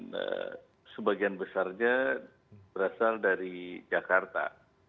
dan sebagian besarnya berasal dari jakarta